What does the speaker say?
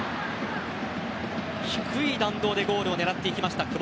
低い弾道でゴールを狙っていった久保。